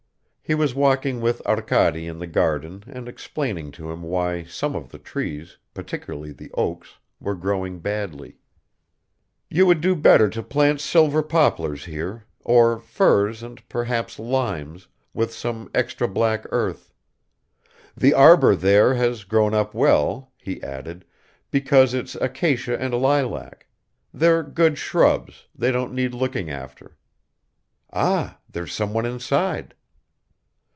HE WAS WALKING with Arkady in the garden and explaining to him why some of the trees, particularly the oaks, were growing badly. "You would do better to plant silver poplars here, or firs and perhaps limes, with some extra black earth. The arbor there has grown up well," he added, "because it's acacia and lilac; they're good shrubs, they don't need looking after. Ah! there's someone inside."